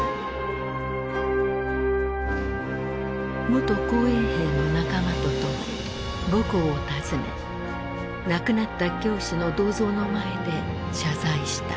元紅衛兵の仲間と共に母校を訪ね亡くなった教師の銅像の前で謝罪した。